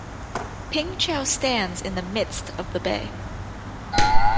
Ping Chau stands in the midst of the bay.